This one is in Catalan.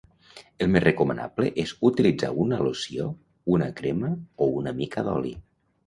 El més recomanable és utilitzar una loció, una crema o una mica d'oli.